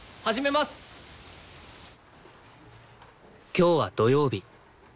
今日は土曜日。